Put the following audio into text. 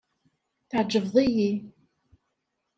Tɛeǧbeḍ-yi.